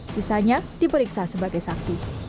sisanya diperiksa sebagai saksi